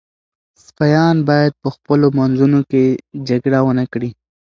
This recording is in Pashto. سپایان باید په خپلو منځونو کي جګړه ونه کړي.